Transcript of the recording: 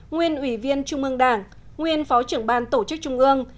nguyên ủy viên trung ương đảng nguyên phó trưởng ban tổ chức trung ương